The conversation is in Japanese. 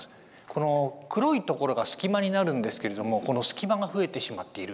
この黒いところが隙間になるんですけれどもこの隙間が増えてしまっている。